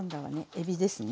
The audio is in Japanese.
えびですね。